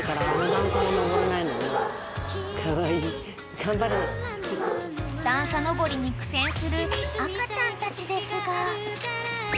［段差のぼりに苦戦する赤ちゃんたちですが］